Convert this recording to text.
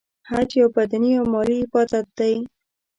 حج یو بدنې او مالی عبادت دی .